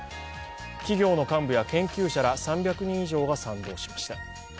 企業の幹部や研究者ら３００人以上が賛同しました。